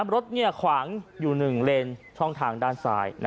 รถขวางอยู่๑เลนช่องทางด้านซ้าย